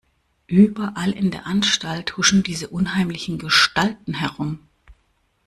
Überall in der Anstalt huschen diese unheimlichen Gestalten herum.